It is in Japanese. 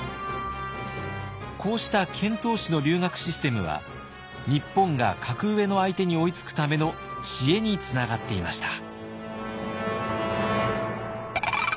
こうした遣唐使の留学システムは日本が格上の相手に追いつくための知恵につながっていました。